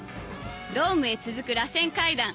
ドームへ続くらせん階段